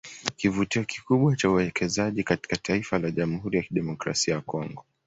Kivutio kikubwa cha uwekezaji katika taifa la Jamhuri ya kidemokrasia ya Congo